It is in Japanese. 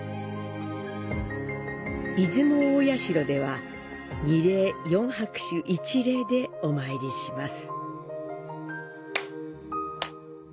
出雲大社では二礼四拍手一礼でお参りします。